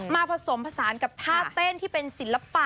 ผสมผสานกับท่าเต้นที่เป็นศิลปะ